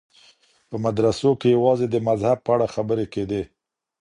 په مدرسو کي يوازې د مذهب په اړه خبري کېدې.